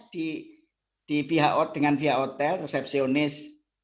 karena di pihak hotel resepsionis